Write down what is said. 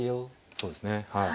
そうですねはい。